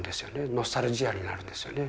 ノスタルジアになるんですよね。